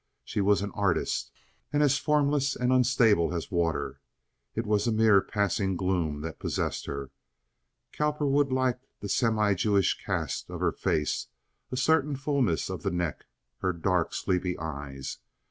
She was an artist, and as formless and unstable as water. It was a mere passing gloom that possessed her. Cowperwood liked the semi Jewish cast of her face, a certain fullness of the neck, her dark, sleepy eyes.